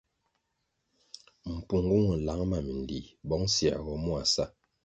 Mpungu nwo nlang ma minlih bong siergoh mua sa.